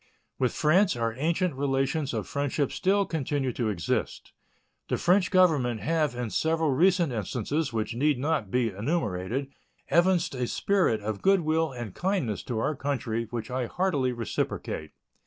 With France our ancient relations of friendship still continue to exist. The French Government have in several recent instances, which need not be enumerated, evinced a spirit of good will and kindness toward our country, which I heartily reciprocate.